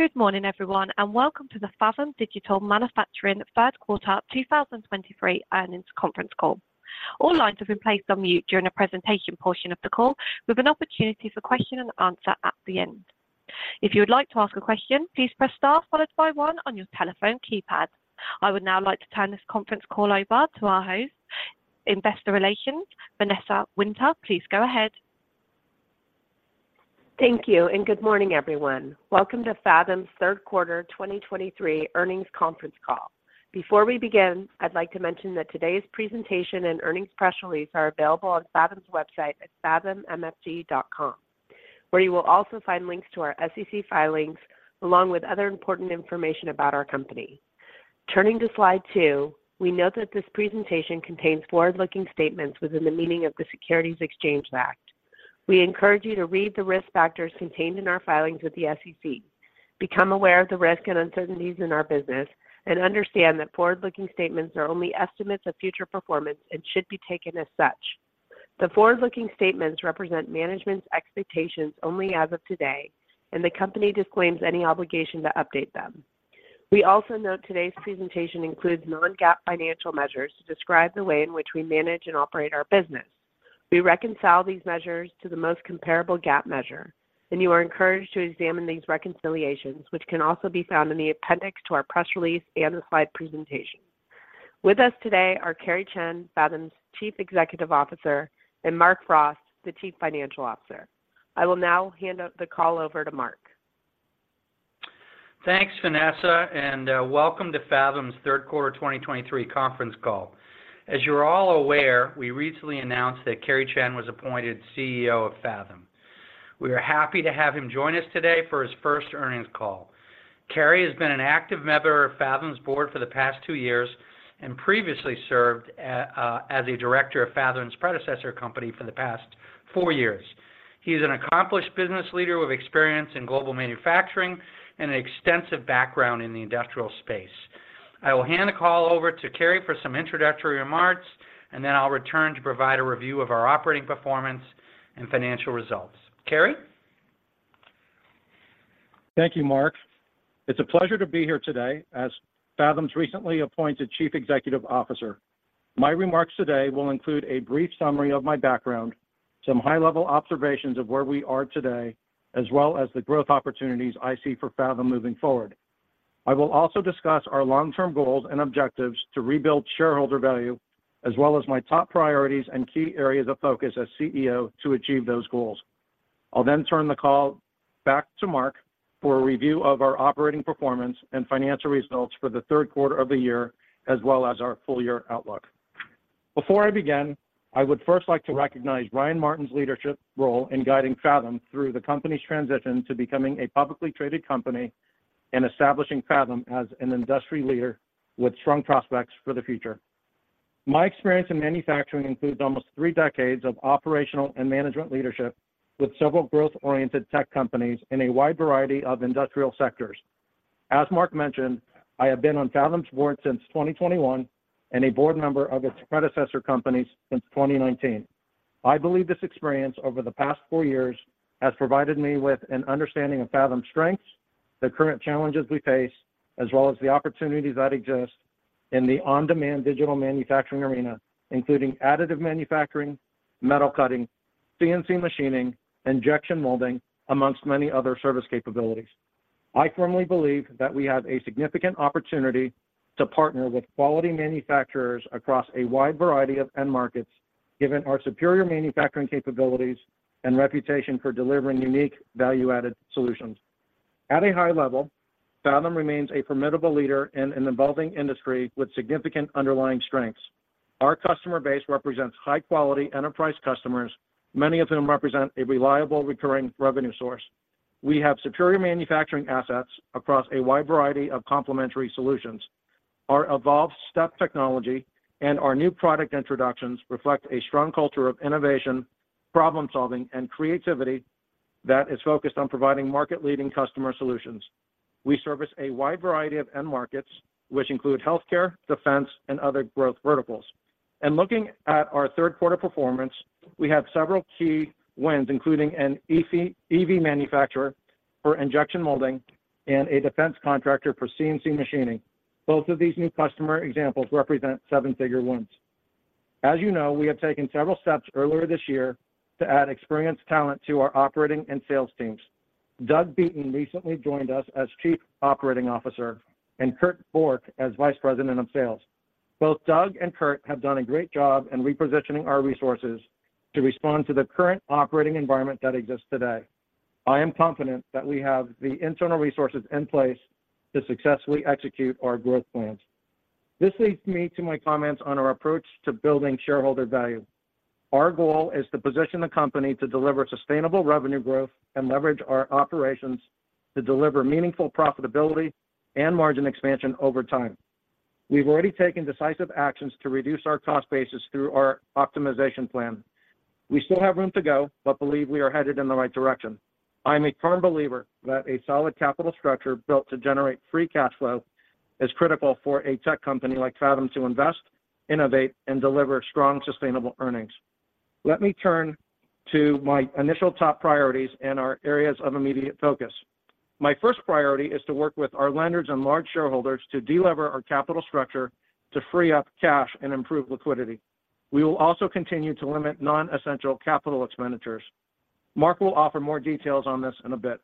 Good morning, everyone, and welcome to the Fathom Digital Manufacturing third quarter 2023 earnings conference call. All lines have been placed on mute during the presentation portion of the call, with an opportunity for question and answer at the end. If you would like to ask a question, please press star followed by one on your telephone keypad. I would now like to turn this conference call over to our host, investor relations, Vanessa Winter. Please go ahead. Thank you. Good morning, everyone. Welcome to Fathom's third quarter 2023 earnings conference call. Before we begin, I'd like to mention that today's presentation and earnings press release are available on Fathom's website at fathommfg.com, where you will also find links to our SEC filings, along with other important information about our company. Turning to slide two, we note that this presentation contains forward-looking statements within the meaning of the Securities Exchange Act. We encourage you to read the risk factors contained in our filings with the SEC, become aware of the risks and uncertainties in our business, and understand that forward-looking statements are only estimates of future performance and should be taken as such. The forward-looking statements represent management's expectations only as of today, and the company disclaims any obligation to update them. We also note today's presentation includes non-GAAP financial measures to describe the way in which we manage and operate our business. We reconcile these measures to the most comparable GAAP measure. You are encouraged to examine these reconciliations, which can also be found in the appendix to our press release and the slide presentation. With us today are Carey Chen, Fathom's Chief Executive Officer, and Mark Frost, the Chief Financial Officer. I will now hand the call over to Mark. Thanks, Vanessa. Welcome to Fathom's third quarter 2023 conference call. As you're all aware, we recently announced that Carey Chen was appointed CEO of Fathom. We are happy to have him join us today for his first earnings call. Carey has been an active member of Fathom's board for the past two years and previously served as a director of Fathom's predecessor company for the past four years. He is an accomplished business leader with experience in global manufacturing and an extensive background in the industrial space. I will hand the call over to Carey for some introductory remarks. Then I'll return to provide a review of our operating performance and financial results. Carey? Thank you, Mark. It's a pleasure to be here today as Fathom's recently appointed Chief Executive Officer. My remarks today will include a brief summary of my background, some high-level observations of where we are today, as well as the growth opportunities I see for Fathom moving forward. I will also discuss our long-term goals and objectives to rebuild shareholder value, as well as my top priorities and key areas of focus as CEO to achieve those goals. I'll then turn the call back to Mark for a review of our operating performance and financial results for the third quarter of the year, as well as our full-year outlook. Before I begin, I would first like to recognize Ryan Martin's leadership role in guiding Fathom through the company's transition to becoming a publicly traded company and establishing Fathom as an industry leader with strong prospects for the future. My experience in manufacturing includes almost three decades of operational and management leadership with several growth-oriented tech companies in a wide variety of industrial sectors. As Mark mentioned, I have been on Fathom's board since 2021 and a board member of its predecessor companies since 2019. I believe this experience over the past four years has provided me with an understanding of Fathom's strengths, the current challenges we face, as well as the opportunities that exist in the on-demand digital manufacturing arena, including additive manufacturing, metal cutting, CNC machining, injection molding, amongst many other service capabilities. I firmly believe that we have a significant opportunity to partner with quality manufacturers across a wide variety of end markets, given our superior manufacturing capabilities and reputation for delivering unique value-added solutions. At a high level, Fathom remains a formidable leader in an evolving industry with significant underlying strengths. Our customer base represents high-quality enterprise customers, many of whom represent a reliable recurring revenue source. We have superior manufacturing assets across a wide variety of complementary solutions. Our Evolve STEP technology and our new product introductions reflect a strong culture of innovation, problem-solving, and creativity that is focused on providing market-leading customer solutions. We service a wide variety of end markets, which include healthcare, defense, and other growth verticals. Looking at our third quarter performance, we have several key wins, including an EV manufacturer for injection molding and a defense contractor for CNC machining. Both of these new customer examples represent seven-figure wins. As you know, we have taken several steps earlier this year to add experienced talent to our operating and sales teams. Doug Beaton recently joined us as Chief Operating Officer and Kurt Bork as Vice President of Sales. Both Doug and Kurt have done a great job in repositioning our resources to respond to the current operating environment that exists today. I am confident that we have the internal resources in place to successfully execute our growth plans. This leads me to my comments on our approach to building shareholder value. Our goal is to position the company to deliver sustainable revenue growth and leverage our operations to deliver meaningful profitability and margin expansion over time. We've already taken decisive actions to reduce our cost basis through our optimization plan. We still have room to go, believe we are headed in the right direction. I'm a firm believer that a solid capital structure built to generate free cash flow is critical for a tech company like Fathom to invest, innovate, and deliver strong, sustainable earnings. Let me turn to my initial top priorities and our areas of immediate focus. My first priority is to work with our lenders and large shareholders to delever our capital structure to free up cash and improve liquidity. We will also continue to limit non-essential capital expenditures. Mark will offer more details on this in a bit.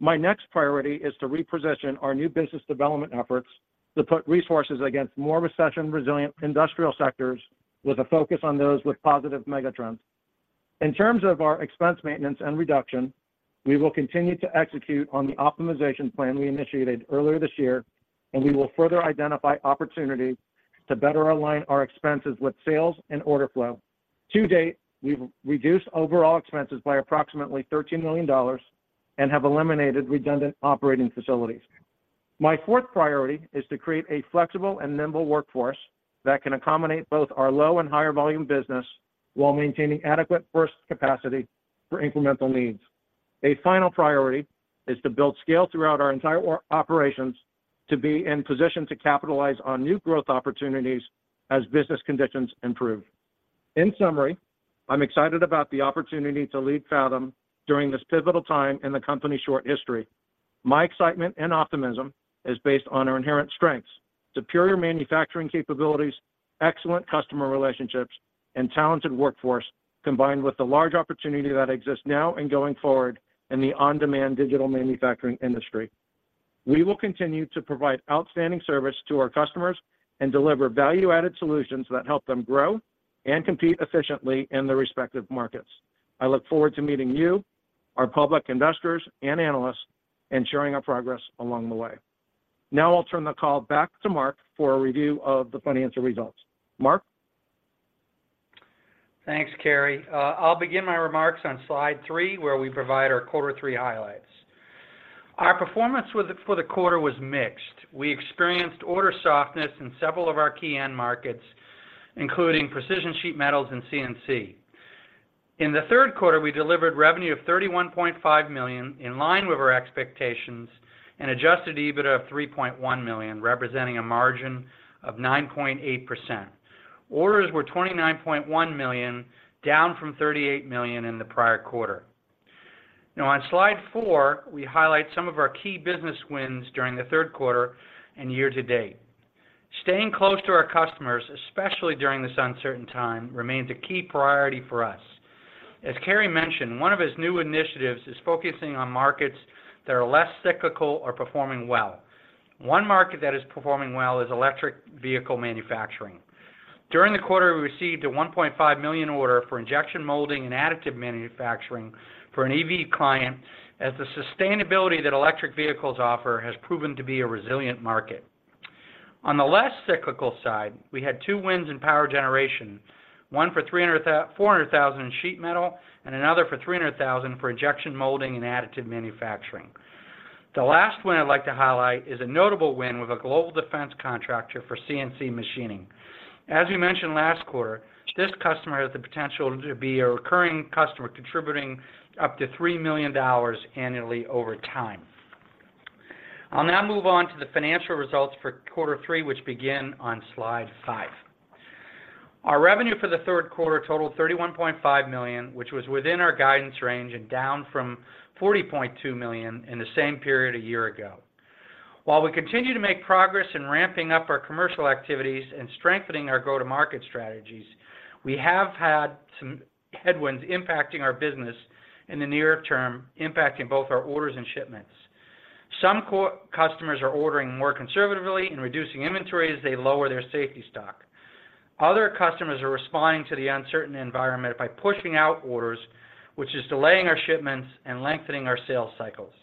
My next priority is to reposition our new business development efforts to put resources against more recession-resilient industrial sectors with a focus on those with positive megatrends. In terms of our expense maintenance and reduction, we will continue to execute on the optimization plan we initiated earlier this year. We will further identify opportunities to better align our expenses with sales and order flow. To date, we've reduced overall expenses by approximately $13 million and have eliminated redundant operating facilities. My fourth priority is to create a flexible and nimble workforce that can accommodate both our low and higher volume business while maintaining adequate first capacity for incremental needs. A final priority is to build scale throughout our entire operations to be in position to capitalize on new growth opportunities as business conditions improve. In summary, I'm excited about the opportunity to lead Fathom during this pivotal time in the company's short history. My excitement and optimism is based on our inherent strengths, superior manufacturing capabilities, excellent customer relationships, and talented workforce, combined with the large opportunity that exists now and going forward in the on-demand digital manufacturing industry. We will continue to provide outstanding service to our customers and deliver value-added solutions that help them grow and compete efficiently in their respective markets. I look forward to meeting you, our public investors and analysts, and sharing our progress along the way. I'll turn the call back to Mark for a review of the financial results. Mark? Thanks, Carey. I'll begin my remarks on slide three, where we provide our quarter three highlights. Our performance for the quarter was mixed. We experienced order softness in several of our key end markets, including precision sheet metals and CNC. In the third quarter, we delivered revenue of $31.5 million, in line with our expectations, and Adjusted EBITDA of $3.1 million, representing a margin of 9.8%. Orders were $29.1 million, down from $38 million in the prior quarter. On slide four, we highlight some of our key business wins during the third quarter and year to date. Staying close to our customers, especially during this uncertain time, remains a key priority for us. As Carey mentioned, one of his new initiatives is focusing on markets that are less cyclical or performing well. One market that is performing well is electric vehicle manufacturing. During the quarter, we received a $1.5 million order for injection molding and additive manufacturing for an EV client as the sustainability that electric vehicles offer has proven to be a resilient market. On the less cyclical side, we had two wins in power generation, one for $400,000 in sheet metal and another for $300,000 for injection molding and additive manufacturing. The last win I'd like to highlight is a notable win with a global defense contractor for CNC machining. As we mentioned last quarter, this customer has the potential to be a recurring customer, contributing up to $3 million annually over time. I'll now move on to the financial results for quarter three, which begin on slide five. Our revenue for the third quarter totaled $31.5 million, which was within our guidance range and down from $40.2 million in the same period a year ago. While we continue to make progress in ramping up our commercial activities and strengthening our go-to-market strategies, we have had some headwinds impacting our business in the near term, impacting both our orders and shipments. Some customers are ordering more conservatively and reducing inventories as they lower their safety stock. Other customers are responding to the uncertain environment by pushing out orders, which is delaying our shipments and lengthening our sales cycles.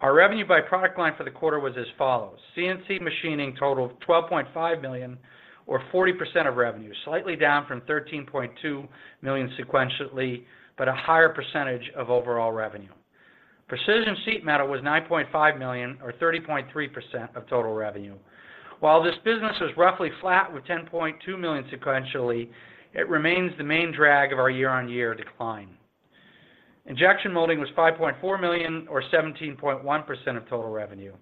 Our revenue by product line for the quarter was as follows: CNC machining totaled $12.5 million or 40% of revenue, slightly down from $13.2 million sequentially, but a higher percentage of overall revenue. Precision sheet metal was $9.5 million or 30.3% of total revenue. While this business was roughly flat with $10.2 million sequentially, it remains the main drag of our year-on-year decline. Injection molding was $5.4 million or 17.1% of total revenue.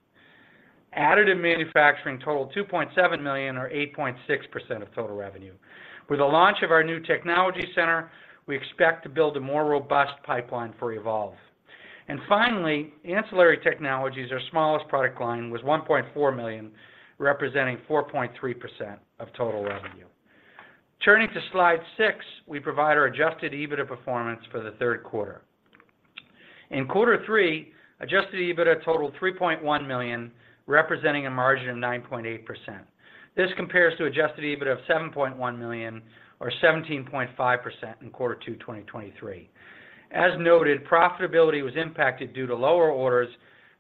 additive manufacturing totaled $2.7 million or 8.6% of total revenue. With the launch of our new technology center, we expect to build a more robust pipeline for Evolve. Finally, ancillary technologies, our smallest product line, was $1.4 million, representing 4.3% of total revenue. Turning to slide six, we provide our Adjusted EBITDA performance for the third quarter. In quarter three, Adjusted EBITDA totaled $3.1 million, representing a margin of 9.8%. This compares to Adjusted EBITDA of $7.1 million or 17.5% in quarter two 2023. As noted, profitability was impacted due to lower orders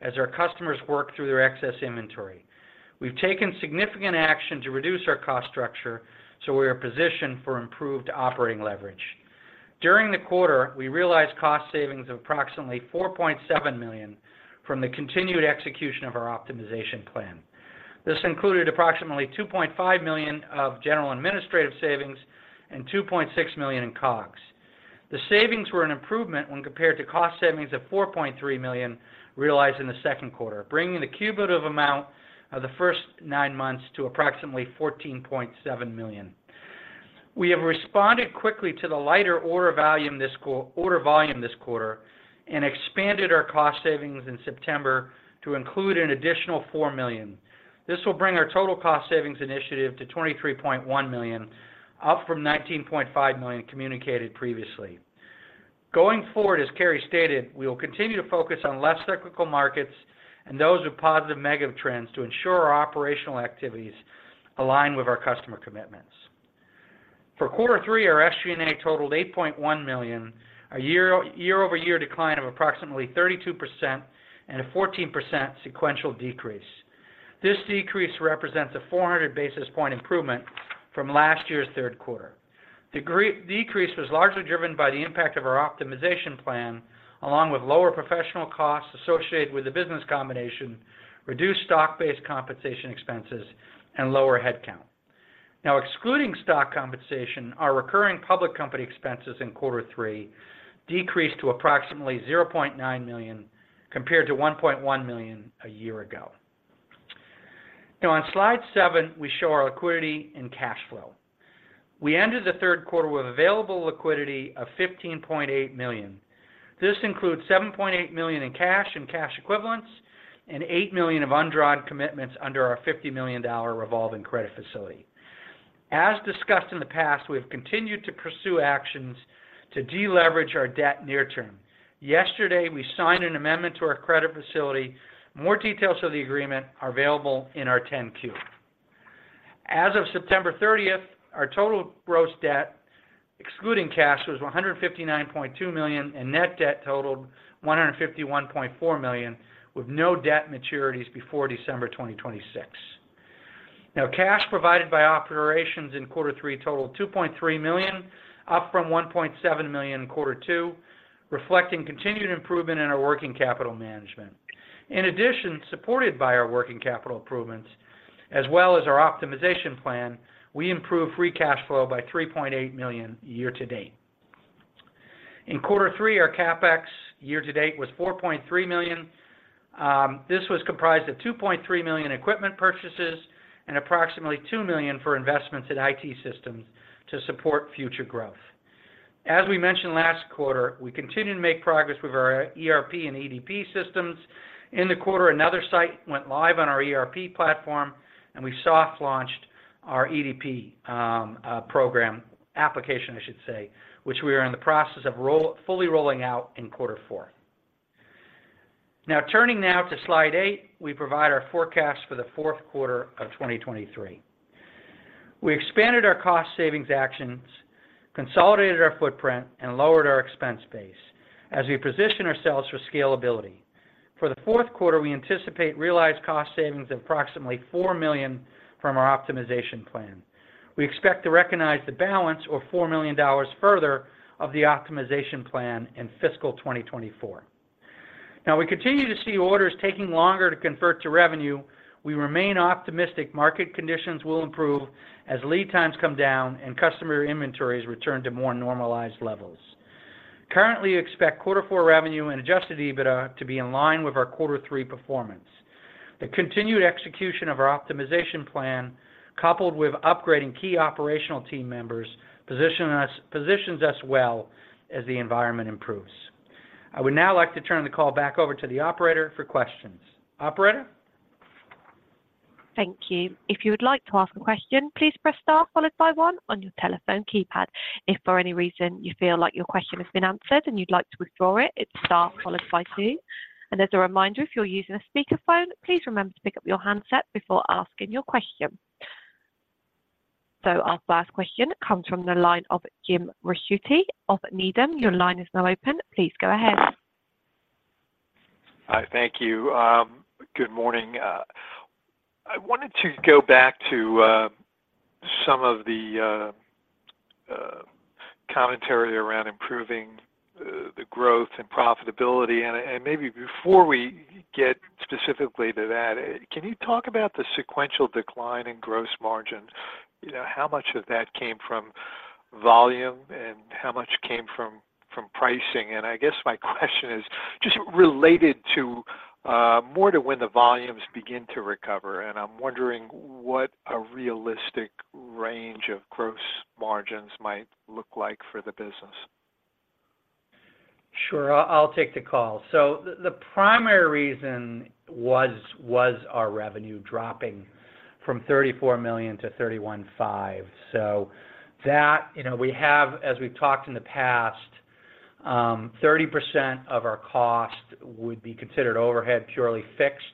as our customers work through their excess inventory. We've taken significant action to reduce our cost structure so we are positioned for improved operating leverage. During the quarter, we realized cost savings of approximately $4.7 million from the continued execution of our optimization plan. This included approximately $2.5 million of general administrative savings and $2.6 million in COGS. The savings were an improvement when compared to cost savings of $4.3 million realized in the second quarter, bringing the cumulative amount of the first nine months to approximately $14.7 million. We have responded quickly to the lighter order volume this quarter and expanded our cost savings in September to include an additional $4 million. This will bring our total cost savings initiative to $23.1 million, up from $19.5 million communicated previously. Going forward, as Carey stated, we will continue to focus on less cyclical markets and those with positive mega trends to ensure our operational activities align with our customer commitments. For quarter three, our SG&A totaled $8.1 million, a year-over-year decline of approximately 32% and a 14% sequential decrease. This decrease represents a 400 basis point improvement from last year's third quarter. Decrease was largely driven by the impact of our optimization plan, along with lower professional costs associated with the business combination, reduced stock-based compensation expenses, and lower headcount. Excluding stock compensation, our recurring public company expenses in quarter three decreased to approximately $0.9 million, compared to $1.1 million a year ago. On slide seven, we show our liquidity and cash flow. We ended the third quarter with available liquidity of $15.8 million. This includes $7.8 million in cash and cash equivalents, and $8 million of undrawn commitments under our $50 million revolving credit facility. As discussed in the past, we have continued to pursue actions to deleverage our debt near-term. Yesterday, we signed an amendment to our credit facility. More details of the agreement are available in our 10-Q. As of September 30th, our total gross debt, excluding cash, was $159.2 million, and net debt totaled $151.4 million, with no debt maturities before December 2026. Cash provided by operations in quarter three totaled $2.3 million, up from $1.7 million in quarter two, reflecting continued improvement in our working capital management. In addition, supported by our working capital improvements as well as our optimization plan, we improved free cash flow by $3.8 million year-to-date. In quarter three, our CapEx year-to-date was $4.3 million. This was comprised of $2.3 million equipment purchases and approximately $2 million for investments in IT systems to support future growth. As we mentioned last quarter, we continue to make progress with our ERP and EDP systems. In the quarter, another site went live on our ERP platform, and we soft launched our EDP program, application I should say, which we are in the process of fully rolling out in quarter four. Turning to slide eight, we provide our forecast for the fourth quarter of 2023. We expanded our cost savings actions, consolidated our footprint, and lowered our expense base as we position ourselves for scalability. For the fourth quarter, we anticipate realized cost savings of approximately $4 million from our optimization plan. We expect to recognize the balance of $4 million further of the optimization plan in fiscal 2024. We continue to see orders taking longer to convert to revenue. We remain optimistic market conditions will improve as lead times come down and customer inventories return to more normalized levels. Currently expect quarter four revenue and Adjusted EBITDA to be in line with our quarter three performance. The continued execution of our optimization plan, coupled with upgrading key operational team members, positions us well as the environment improves. I would like to turn the call back over to the operator for questions. Operator? Thank you. If you would like to ask a question, please press star followed by one on your telephone keypad. If for any reason you feel like your question has been answered and you'd like to withdraw it's star followed by two. As a reminder, if you're using a speakerphone, please remember to pick up your handset before asking your question. Our first question comes from the line of Jim Ricchiuti of Needham. Your line is now open. Please go ahead. Hi. Thank you. Good morning. I wanted to go back to some of the commentary around improving the growth and profitability, maybe before we get specifically to that, can you talk about the sequential decline in gross margin? How much of that came from volume and how much came from pricing? I guess my question is just related more to when the volumes begin to recover, I'm wondering what a realistic range of gross margins might look like for the business. Sure. I'll take the call. The primary reason was our revenue dropping from $34 million to $31.5 million. That, we have, as we've talked in the past, 30% of our cost would be considered overhead, purely fixed,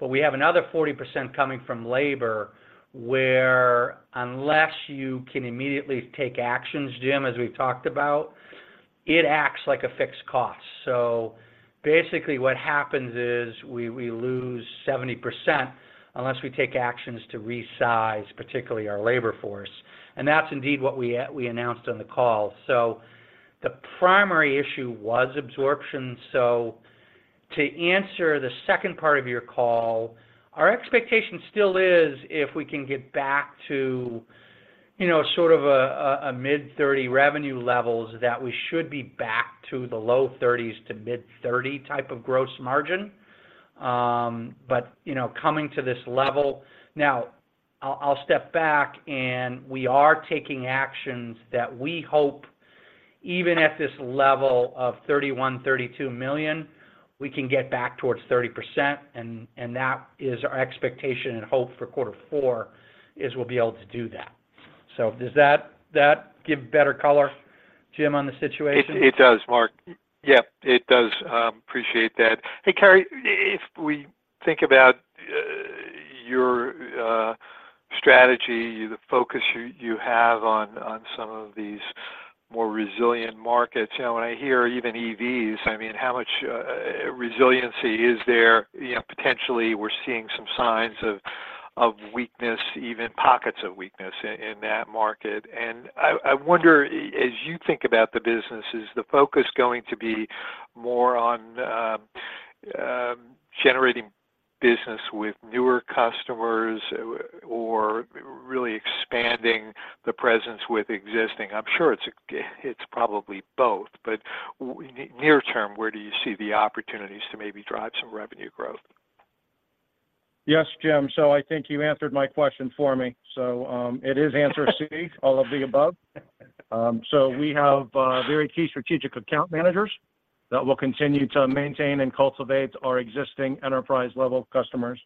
but we have another 40% coming from labor where unless you can immediately take actions, Jim, as we've talked about, it acts like a fixed cost. Basically what happens is we lose 70% unless we take actions to resize, particularly our labor force, that's indeed what we announced on the call. The primary issue was absorption. To answer the second part of your call, our expectation still is if we can get back to sort of a mid-$30 million revenue levels, that we should be back to the low 30s% to mid 30% type of gross margin. Coming to this level now, I'll step back and we are taking actions that we hope even at this level of $31 million, $32 million, we can get back towards 30%. That is our expectation and hope for quarter four, is we'll be able to do that. Does that give better color, Jim, on the situation? It does, Mark. Yep, it does. Appreciate that. Hey, Carey, if we think about your strategy, the focus you have on some of these more resilient markets. When I hear even EVs, how much resiliency is there? Potentially, we're seeing some signs of weakness, even pockets of weakness in that market. I wonder, as you think about the business, is the focus going to be more on generating business with newer customers or really expanding the presence with existing? I'm sure it's probably both, but near term, where do you see the opportunities to maybe drive some revenue growth? Yes, Jim. I think you answered my question for me. It is answer C, all of the above. We have very key strategic account managers that will continue to maintain and cultivate our existing enterprise level customers.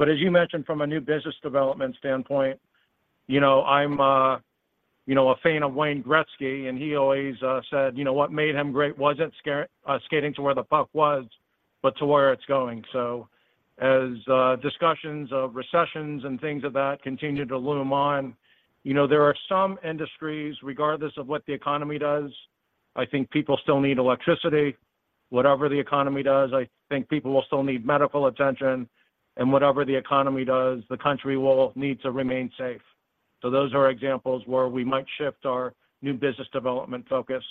As you mentioned, from a new business development standpoint, I'm a fan of Wayne Gretzky, and he always said, what made him great wasn't skating to where the puck was, but to where it's going. As discussions of recessions and things of that continue to loom on, there are some industries, regardless of what the economy does, I think people still need electricity. Whatever the economy does, I think people will still need medical attention, and whatever the economy does, the country will need to remain safe. Those are examples where we might shift our new business development focus.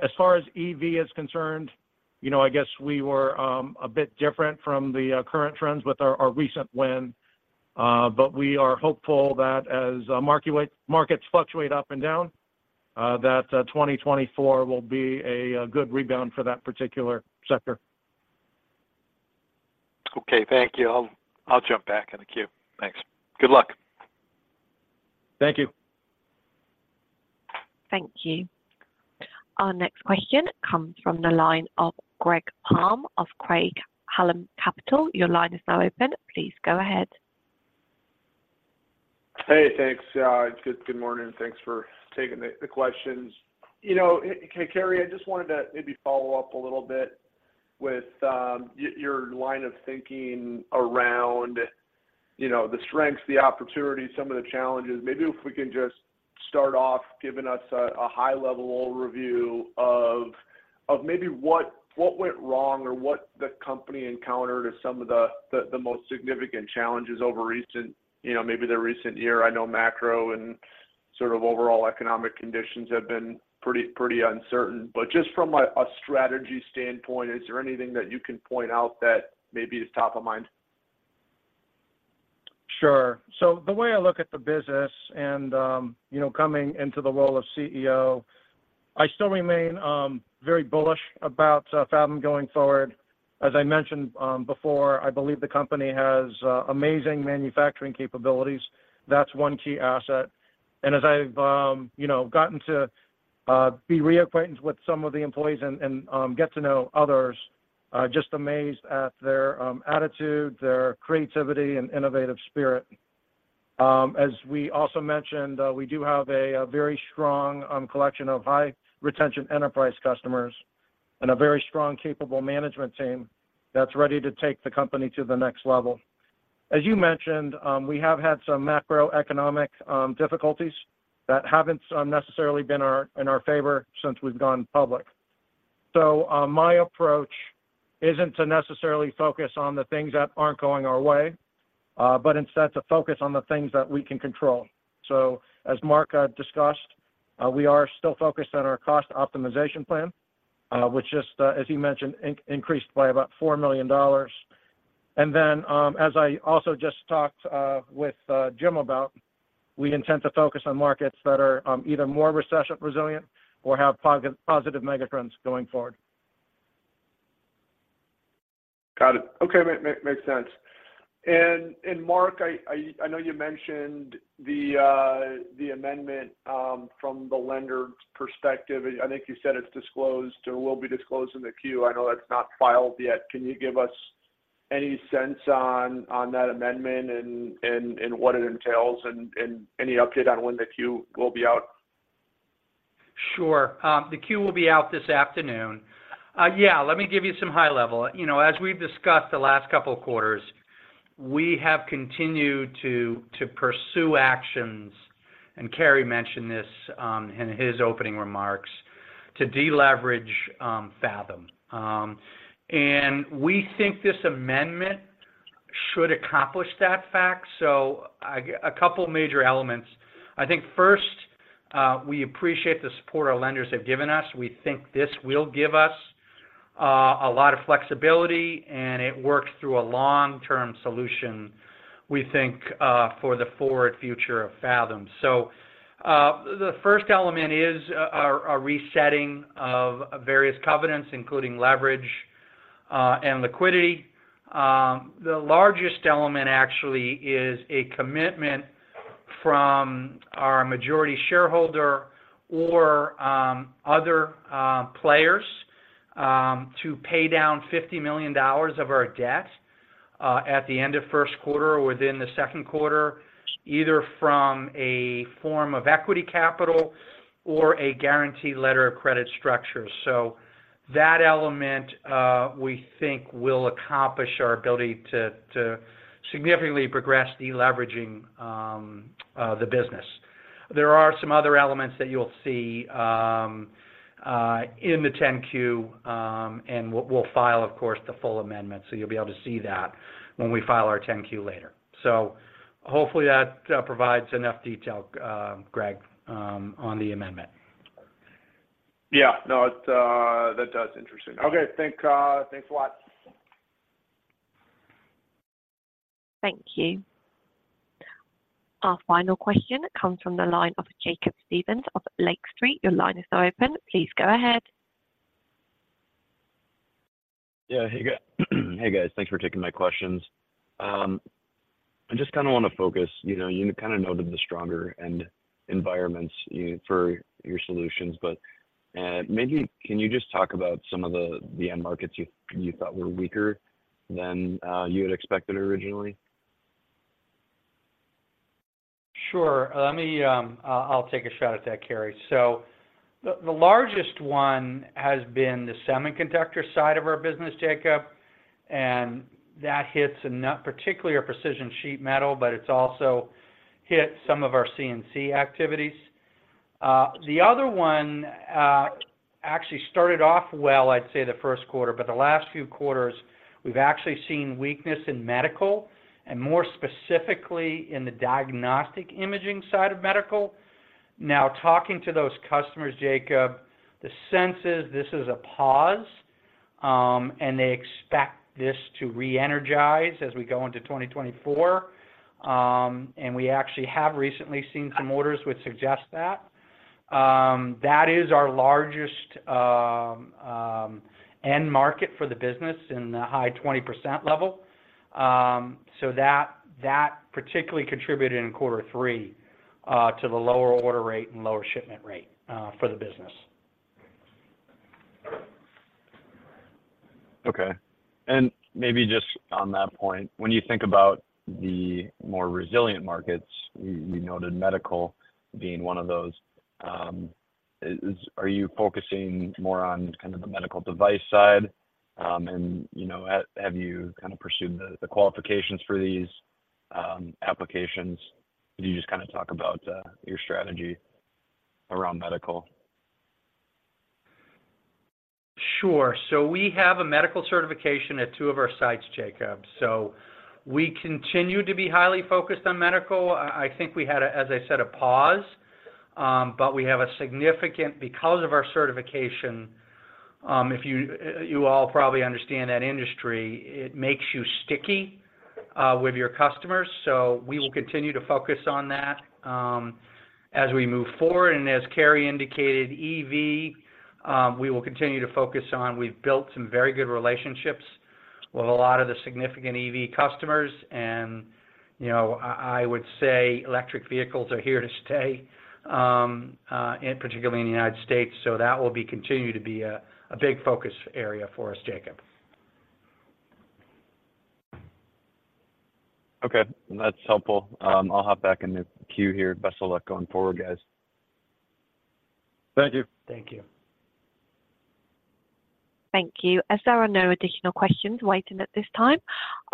As far as EV is concerned, I guess we were a bit different from the current trends with our recent win. We are hopeful that as markets fluctuate up and down, that 2024 will be a good rebound for that particular sector. Okay, thank you. I'll jump back in the queue. Thanks. Good luck. Thank you. Thank you. Our next question comes from the line of Greg Palm of Craig-Hallum Capital. Your line is now open. Please go ahead. Hey, thanks. Good morning. Thanks for taking the questions. Carey, I just wanted to maybe follow up a little bit with your line of thinking around the strengths, the opportunities, some of the challenges. Maybe if we can just start off giving us a high level overview of maybe what went wrong or what the company encountered as some of the most significant challenges over maybe the recent year. I know macro and sort of overall economic conditions have been pretty uncertain. Just from a strategy standpoint, is there anything that you can point out that maybe is top of mind? Sure. The way I look at the business and coming into the role of CEO, I still remain very bullish about Fathom going forward. As I mentioned before, I believe the company has amazing manufacturing capabilities. That's one key asset. As I've gotten to be reacquainted with some of the employees and get to know others, just amazed at their attitude, their creativity and innovative spirit. As we also mentioned, we do have a very strong collection of high retention enterprise customers and a very strong, capable management team that's ready to take the company to the next level. As you mentioned, we have had some macroeconomic difficulties that haven't necessarily been in our favor since we've gone public. My approach isn't to necessarily focus on the things that aren't going our way, but instead to focus on the things that we can control. As Mark discussed, we are still focused on our cost optimization plan, which just as he mentioned, increased by about $4 million. As I also just talked with Jim about, we intend to focus on markets that are either more recession resilient or have positive megatrends going forward. Got it. Okay. Makes sense. Mark, I know you mentioned the amendment from the lender's perspective. I think you said it's disclosed or will be disclosed in the Q. I know that's not filed yet. Can you give us any sense on that amendment and what it entails and any update on when the Q will be out? Sure. The Q will be out this afternoon. Yeah, let me give you some high level. As we've discussed the last couple of quarters, we have continued to pursue actions, and Carey Chen mentioned this in his opening remarks, to deleverage Fathom. We think this amendment should accomplish that fact. A couple major elements. I think first, we appreciate the support our lenders have given us. We think this will give us a lot of flexibility, and it works through a long-term solution, we think, for the forward future of Fathom. The first element is a resetting of various covenants, including leverage and liquidity. The largest element actually is a commitment from our majority shareholder or other players to pay down $50 million of our debt at the end of first quarter or within the second quarter, either from a form of equity capital or a guaranteed letter of credit structure. That element, we think will accomplish our ability to significantly progress de-leveraging the business. There are some other elements that you'll see in the 10-Q, and we'll file, of course, the full amendment, so you'll be able to see that when we file our 10-Q later. Hopefully that provides enough detail, Greg, on the amendment. Yeah. No, that's interesting. Okay, thanks a lot. Thank you. Our final question comes from the line of Jacob Stephan of Lake Street. Your line is now open. Please go ahead. Yeah. Hey, guys. Thanks for taking my questions. I just want to focus, you noted the stronger end environments for your solutions. Maybe can you just talk about some of the end markets you thought were weaker than you had expected originally? Sure. I'll take a shot at that, Carey. The largest one has been the semiconductor side of our business, Jacob, and that hits particularly our precision sheet metal, but it's also hit some of our CNC activities. The other one actually started off well, I'd say the first quarter, but the last few quarters, we've actually seen weakness in medical, and more specifically in the diagnostic imaging side of medical. Talking to those customers, Jacob, the sense is this is a pause, and they expect this to re-energize as we go into 2024. We actually have recently seen some orders which suggest that. That is our largest end market for the business in the high 20% level. That particularly contributed in quarter three to the lower order rate and lower shipment rate for the business. Okay. Maybe just on that point, when you think about the more resilient markets, you noted medical being one of those. Are you focusing more on the medical device side? Have you pursued the qualifications for these applications? Can you just talk about your strategy around medical? Sure. We have a medical certification at two of our sites, Jacob. We continue to be highly focused on medical. I think we had, as I said, a pause. We have a significant, because of our certification, you all probably understand that industry, it makes you sticky with your customers. We will continue to focus on that as we move forward. As Carey indicated, EV, we will continue to focus on. We've built some very good relationships with a lot of the significant EV customers, and I would say electric vehicles are here to stay, particularly in the U.S. That will continue to be a big focus area for us, Jacob. Okay. That's helpful. I'll hop back in the queue here. Best of luck going forward, guys. Thank you. Thank you. Thank you. As there are no additional questions waiting at this time,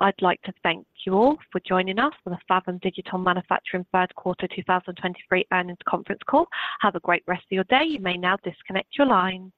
I'd like to thank you all for joining us for the Fathom Digital Manufacturing Third Quarter 2023 Earnings Conference Call. Have a great rest of your day. You may now disconnect your lines.